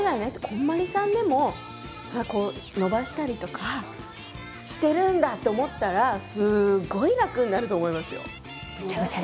こんまりさんでもそれは延ばしたりとかしてるんだって思ったらすごい楽になると思いますよ。